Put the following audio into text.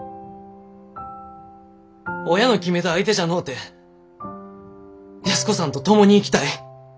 親の決めた相手じゃのうて安子さんと共に生きたい。